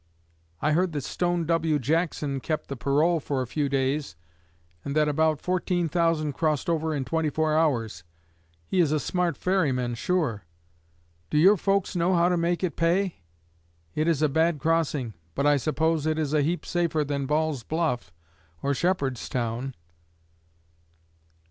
I heard that Stone W. Jackson kept the parole for a few days, and that about fourteen thousand crossed over in twenty four hours. He is a smart ferryman, sure. Do your folks know how to make it pay? It is a bad crossing, but I suppose it is a heap safer than Ball's Bluff or Shepherdstown.